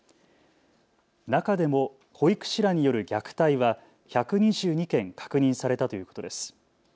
中でも保育士らによる虐待は１２２件確認されたということです。